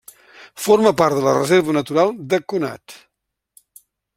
Forma part de la Reserva Natural de Conat.